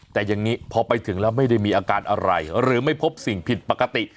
แต่อย่างนี้พอไปถึงแล้วไม่ได้มีอาการอะไรหรือไม่พบสิ่งผิดปกติ